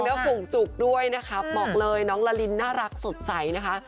จริงนะฝุ่งจุกด้วยนะครับบอกเลยน้องลาลินน่ารักสดใสนะคะ